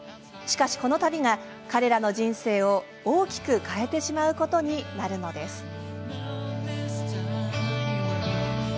しかし、この旅が彼らの人生を大きく変えてしまうことになるのです。